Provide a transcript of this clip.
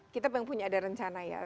kita memang punya ada rencana ya